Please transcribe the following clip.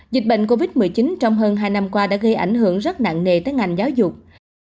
dịch bệnh covid một mươi chín trong hơn hai năm qua đã gây ảnh hưởng rất nặng nề tới ngành giáo dục